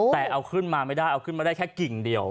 แต่เอาขึ้นมาไม่ได้เอาขึ้นมาได้แค่กิ่งเดียว